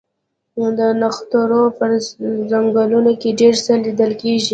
د نښترو په ځنګلونو کې ډیر څه لیدل کیږي